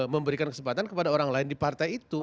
memberikan kesempatan kepada orang lain di partai itu